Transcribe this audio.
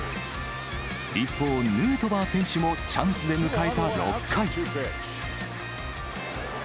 一方、ヌートバー選手もチャンスで迎えた６回。